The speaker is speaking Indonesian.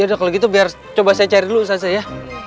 ya udah kalau gitu biar coba saya cari dulu ustazah ya